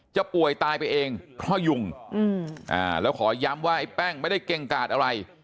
ป่วยตายไปเองเพราะยุงแล้วขอย้ำว่าไอ้แป้งไม่ได้เกรงกาดอะไร